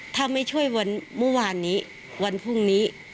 ถ้าไม่ช่วยวันเมื่อวานนี้วันพรุ่งนี้